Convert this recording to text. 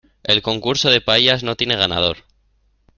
El concurso de paellas no tiene ganador.